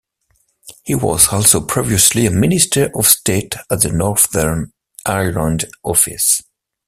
He was also previously a Minister of State at the Northern Ireland Office.